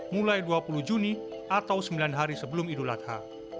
mulai dua puluh juni atau sembilan hari sebelum idul adha